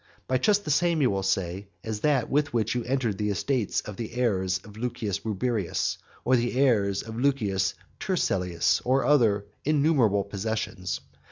By just the same, you will say, as that by which you entered on the estates of the heirs of Lucius Rubrius, or of the heirs of Lucius Turselius, or on other innumerable possessions.